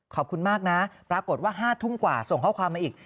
ขอบคุณมากนะปรากฏว่า๕ทุ่มกว่าส่งข้อความมาอีก